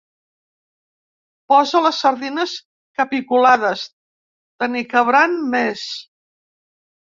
Posa les sardines capiculades: te n'hi cabran més.